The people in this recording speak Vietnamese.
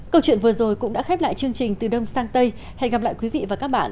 câu chuyện vừa rồi cũng đã khép lại chương trình từ đông sang tây hẹn gặp lại quý vị và các bạn